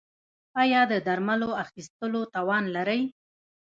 ایا د درملو اخیستلو توان لرئ؟